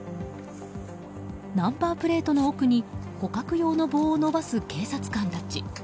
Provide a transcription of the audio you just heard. ナンバープレートの奥に捕獲用の棒を伸ばす警察官たち。